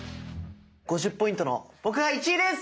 ５０ポイントの僕が１位です！